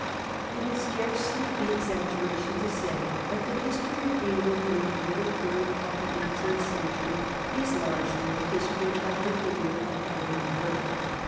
It would scarcely be exaggeration to say that the history of England during the middle third of the eighteenth century is largely the history of the career of Edmund Burke.